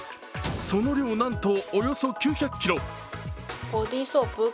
その量、なんと９００ｋｇ。